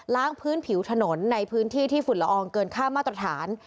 พื้นผิวถนนในพื้นที่ที่ฝุ่นละอองเกินค่ามาตรฐาน